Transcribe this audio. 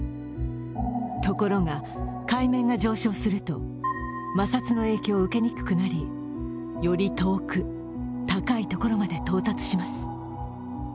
ところが海面が上昇すると、摩擦の影響を受けにくくなり、より遠く、高いところまで到達します。